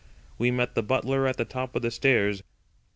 We met the butler at the top of the stairs.